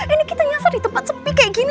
ini kita nyasar di tempat sepi kayak gini